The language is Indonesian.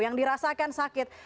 yang dirasakan sakit